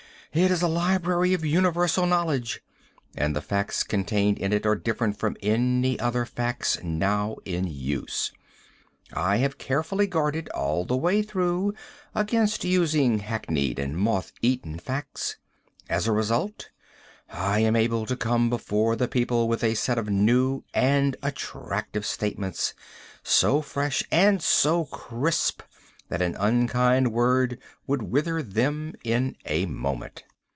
It is a library of universal knowledge, and the facts contained in it are different from any other facts now in use. I have carefully guarded, all the way through, against using hackneyed and moth eaten facts. As a result, I am able to come before the people with a set of new and attractive statements, so fresh and so crisp that an unkind word would wither them in a moment.